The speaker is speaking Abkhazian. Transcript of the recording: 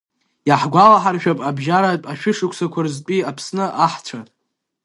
Иаҳгәалаҳаршәап абжьаратә ашәышықәсақәа рзтәи Аԥсны аҳцәа…